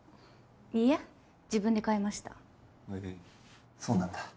いいえ自分で買いましたへえそうなんだ